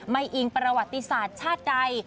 อิงประวัติศาสตร์ชาติใด